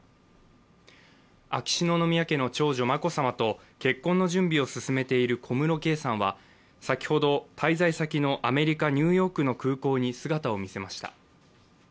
秋篠宮家の長女、眞子さまと結婚の準備を進めている小室圭さんは、先ほど、滞在先のアメリカ・ニューヨークの空港に姿を見せました。